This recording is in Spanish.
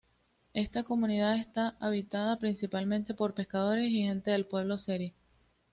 Esta comunidad está habitada principalmente por pescadores y gente del pueblo seri.